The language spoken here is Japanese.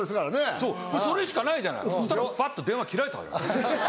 そうそれしかないじゃないそしたらバッと電話切られた。